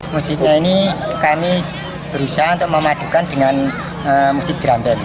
musiknya ini kami berusaha untuk memadukan dengan musik drum band